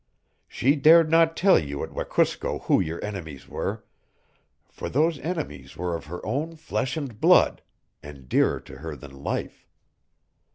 She dared not tell you at Wekusko who your enemies were, for those enemies were of her own flesh and blood, and dearer to her than life.